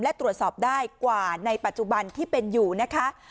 และตรวจสอบได้กว่าในปัจจุบันที่เป็นอยู่นะคะ